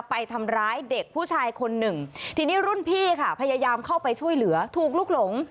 ไปทำร้ายเด็กผู้ชายคนหนึ่งทีนี้รุ่นพี่ค่ะพยายามเข้าไปช่วยเหลือถูกลุกหลง